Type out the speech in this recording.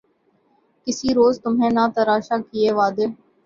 کس روز تہمتیں نہ تراشا کیے عدو